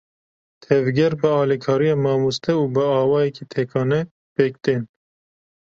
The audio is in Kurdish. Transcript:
Tevger bi alîkariya mamoste û bi awayekî tekane, pêk tên.